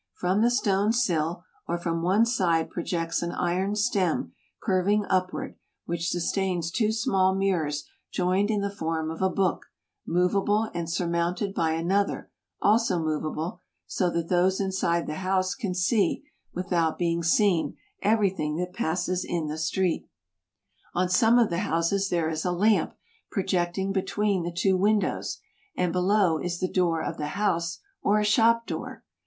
From the stone sill or from one side projects an iron stem curving up ward, which sustains two small mirrors joined in the form of a book, movable, and surmounted by another, also movable, so that those inside the house can see, without being seen, everything that passes in the street. On some of the houses there is a lamp projecting be tween the two windows, and below is the door of the house or a shop door.